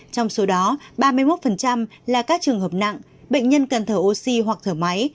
trong số đó ba mươi một là các trường hợp nặng bệnh nhân cần thở oxy hoặc thở máy